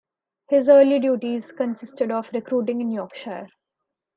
His early duties consisted of recruiting in Yorkshire.